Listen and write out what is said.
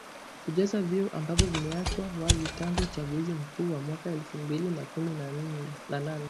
kujaza vyeo ambavyo vimeachwa wazi tangu uchaguzi mkuu wa mwaka elfu mbili na kumi na nane